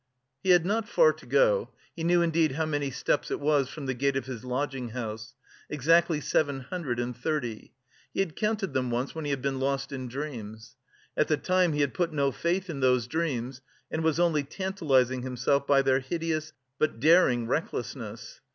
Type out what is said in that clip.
He had not far to go; he knew indeed how many steps it was from the gate of his lodging house: exactly seven hundred and thirty. He had counted them once when he had been lost in dreams. At the time he had put no faith in those dreams and was only tantalising himself by their hideous but daring recklessness.